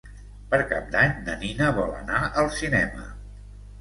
Per Cap d'Any na Nina vol anar al cinema.